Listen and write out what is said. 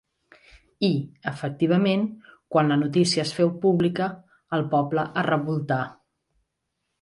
I, efectivament, quan la notícia es féu pública, el poble es revoltà.